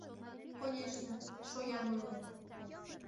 Конешне, шоям ойлет.